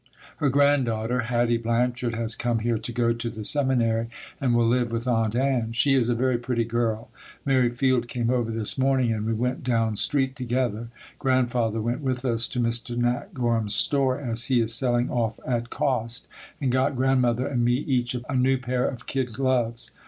Her granddaughter, Hattie Blanchard, has come here to go to the seminary and will live with Aunt Ann. She is a very pretty girl. Mary Field came over this morning and we went down street together. Grandfather went with us to Mr. Nat Gorham's store, as he is selling off at cost, and got Grandmother and me each a new pair of kid gloves.